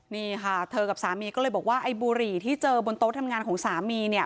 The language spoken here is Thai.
นี่ค่ะเธอกับสามีก็เลยบอกว่าไอ้บุหรี่ที่เจอบนโต๊ะทำงานของสามีเนี่ย